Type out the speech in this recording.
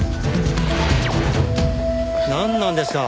なんなんですか？